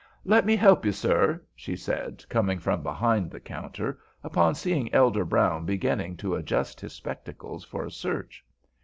"Let me help you, sir," she said, coming from behind the counter, upon seeing Elder Brown beginning to adjust his spectacles for a search.